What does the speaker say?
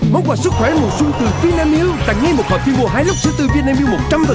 mong quả sức khỏe một sứa tươi vinamil tặng ngay một quả phi vô hai lúc sứa tươi vinamil một trăm linh